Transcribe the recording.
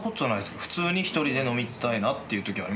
普通に一人で飲みたいなっていうときありますよ。